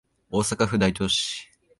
大阪府大東市